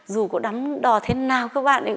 dù có đắm đò thế nào các bạn ấy